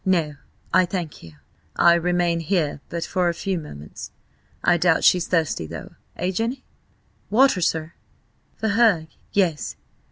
"No, I thank you. I remain here but a few moments. I doubt she's thirsty though–eh, Jenny?" "Water, sir?" "For her, yes.